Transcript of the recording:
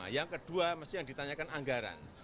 yang kedua mesti yang ditanyakan anggaran